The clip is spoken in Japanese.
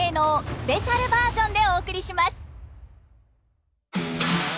スペシャルバージョンでお送りします！